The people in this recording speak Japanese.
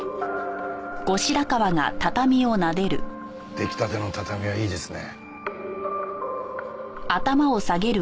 出来たての畳はいいですね。